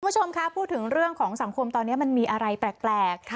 คุณผู้ชมคะพูดถึงเรื่องของสังคมตอนนี้มันมีอะไรแปลก